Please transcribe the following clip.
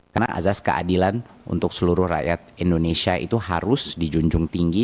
karena azas keadilan untuk seluruh rakyat indonesia itu harus dijunjung tinggi